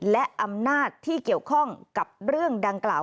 และอำนาจที่เกี่ยวข้องกับเรื่องดังกล่าว